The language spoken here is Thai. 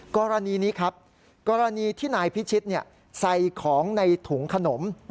กรณีนี้ครับกรณีที่นายพิชิตใส่ของในถุงขนม